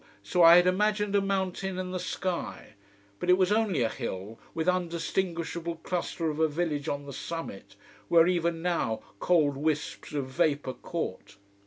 So I had imagined a mountain in the sky. But it was only a hill, with undistinguishable cluster of a village on the summit, where even now cold wisps of vapour caught.